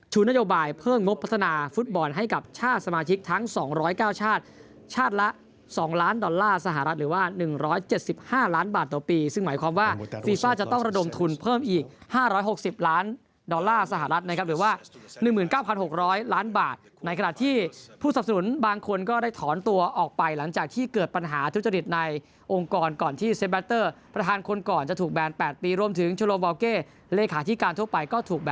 ชูนโยบายเพิ่มงบพัฒนาฟุตบอลให้กับชาติสมาธิกทั้ง๒๐๙ชาติชาติละ๒ล้านดอลลาร์สหรัฐหรือว่า๑๗๕ล้านบาทต่อปีซึ่งหมายความว่าฟีฟ้าจะต้องระดมทุนเพิ่มอีก๕๖๐ล้านดอลลาร์สหรัฐหรือว่า๑๙๖๐๐ล้านบาทในขณะที่ผู้สับสนุนบางคนก็ได้ถอนตัวออกไปหลังจากที่เกิดปัญหาทุจริ